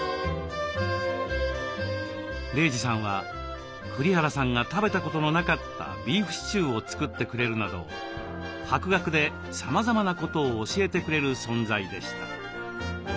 玲児さんは栗原さんが食べたことのなかったビーフシチューを作ってくれるなど博学でさまざまなことを教えてくれる存在でした。